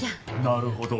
なるほど。